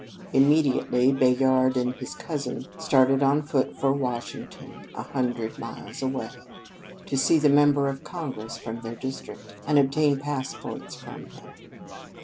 Immediately Bayard and his cousin started on foot for Washington, a hundred miles, to see the member of Congress from their district, and obtain passports from him.